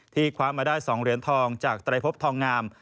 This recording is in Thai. คว้ามาได้๒เหรียญทองจากไตรพบทองงาม